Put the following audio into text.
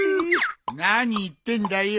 何言ってんだよ。